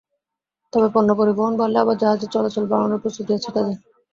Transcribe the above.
তবে পণ্য পরিবহন বাড়লে আবার জাহাজের চলাচল বাড়ানোর প্রস্তুতি আছে তঁদের।